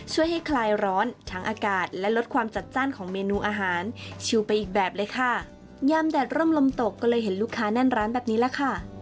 ช่วยให้คลายร้อนทั้งอากาศและลดความจัดจ้านของเมนูอาหารชิวไปอีกแบบเลยค่ะยามแดดร่มลมตกก็เลยเห็นลูกค้าแน่นร้านแบบนี้แหละค่ะ